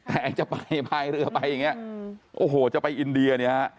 แต่จะไปพายเรือไปอย่างเงี้ยโอ้โหจะไปอินเดียเนี่ยฮะ